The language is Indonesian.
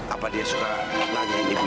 apa dia sudah nanya ini pun